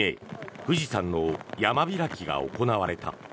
富士山の山開きが行われた。